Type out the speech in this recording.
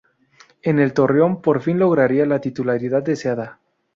En el "torreón" por fin lograría la titularidad deseada.